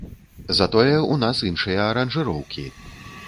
Затое, у нас іншыя аранжыроўкі!